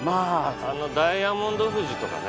ダイヤモンド富士とかね。